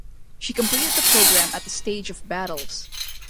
She completed the program at the stage of battles.